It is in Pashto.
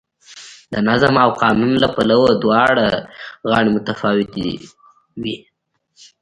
د نظم او قانون له پلوه دواړه غاړې متفاوتې وې.